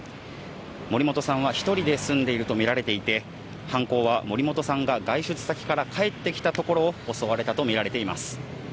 森本さんは１人で住んでいると見られていて、犯行は、森本さんが外出先から帰ってきたところを襲われたと見られています。